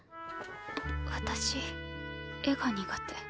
私絵が苦手。